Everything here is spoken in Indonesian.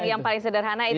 yang paling sederhana itu ya